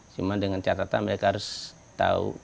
cuma dengan catatan mereka harus tahu